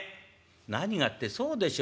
何がってそうでしょう。